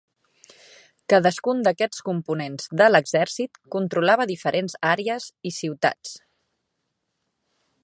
Cadascun d'aquests components de l'exèrcit controlava diferents àrees i ciutats.